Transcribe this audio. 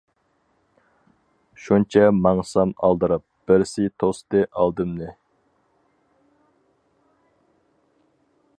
شۇنچە ماڭسام ئالدىراپ، بىرسى توستى ئالدىمنى.